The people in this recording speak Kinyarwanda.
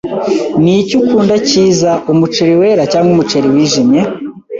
Niki ukunda cyiza, umuceri wera cyangwa umuceri wijimye?